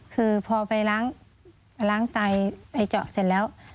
คือพอไปล้างไตไปเจาะเสร็จแล้ว